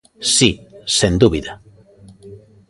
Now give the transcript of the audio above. Si, sen dúbida.